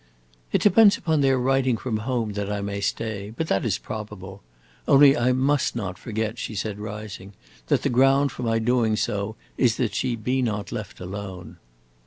"It depends upon their writing from home that I may stay. But that is probable. Only I must not forget," she said, rising, "that the ground for my doing so is that she be not left alone."